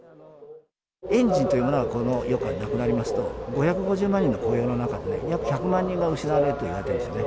エンジンというものがこの世からなくなりますと、５５０万人の雇用の中で約１００万人が失われるといわれてるんですね。